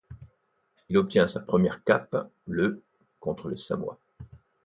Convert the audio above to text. Il obtient sa première cape le contre les Samoa.